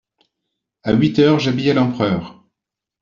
À huit heures j'habillais l'empereur.